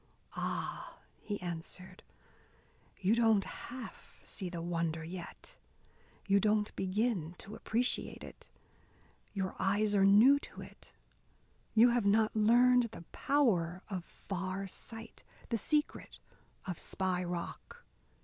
"Ah," he answered, "you don't half see the wonder yet, you don't begin to appreciate it. Your eyes are new to it. You have not learned the power of far sight, the secret of Spy Rock.